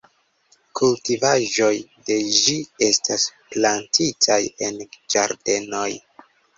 Kultivaĵoj de ĝi estas plantitaj en ĝardenoj.